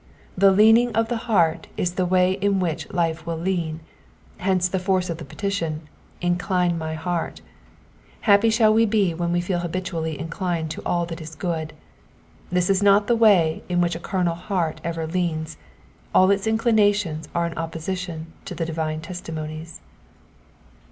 The leaning of the heart is the way in which the life will lean : hence the force of the petition, l^^Indine my hearV* Happy shall we be when we feel habitually inclined to all that is good. This is not the way in which a carnal heart ever leans ; all its inclinations are in opposition to the divine testimonies.